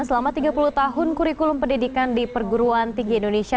selama tiga puluh tahun kurikulum pendidikan di perguruan tinggi indonesia